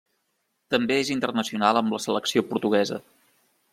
També és internacional amb la selecció portuguesa.